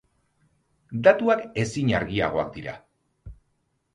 Datuak ezin argiagoak dira.